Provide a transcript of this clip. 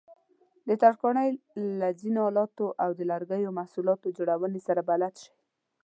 د ترکاڼۍ له ځینو آلاتو او د لرګیو محصولاتو جوړونې سره بلد شئ.